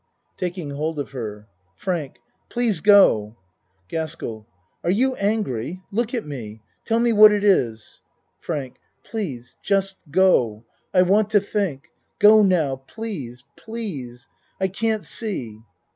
(Taking hold of her.) FRANK Please go. GASKELL Are you angry? Look at me. Tell me what it is. FRANK Please Just go I want to think. Go now please pi ease. I can't see.